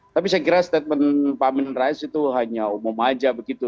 tapi saya kira statement pak amin rais itu hanya umum saja begitu